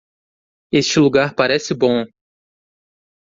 Este lugar parece bom.